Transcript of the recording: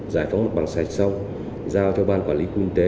giải phóng một bằng sạch xong giao cho ban quản lý khu kinh tế